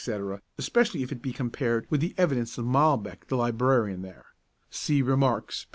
especially if it be compared with the evidence of Molbech the librarian there, see 'Remarks,' p.